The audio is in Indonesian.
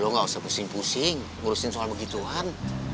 dia nggak usah pusing pusing ngurusin soal begituan